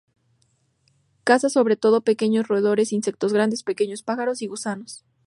Caza sobre todo pequeños roedores, insectos grandes, pequeños pájaros y gusanos.